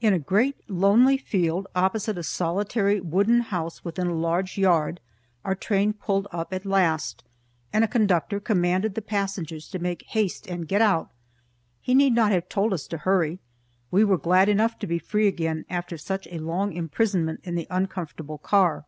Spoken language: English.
In a great lonely field opposite a solitary wooden house within a large yard, our train pulled up at last, and a conductor commanded the passengers to make haste and get out. He need not have told us to hurry; we were glad enough to be free again after such a long imprisonment in the uncomfortable car.